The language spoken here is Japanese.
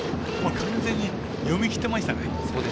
完全に読みきってましたね。